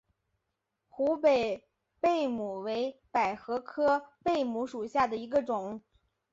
湖北贝母为百合科贝母属下的一个种。